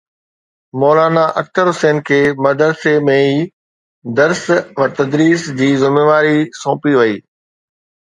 مولانا اختر احسن کي مدرسي ۾ ئي درس و تدريس جي ذميواري سونپي وئي